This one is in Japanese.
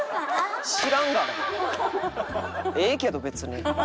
ええけど別に。